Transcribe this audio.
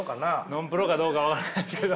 ノンプロかどうか分からんけど。